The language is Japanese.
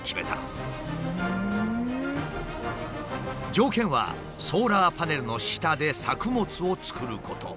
条件はソーラーパネルの下で作物を作ること。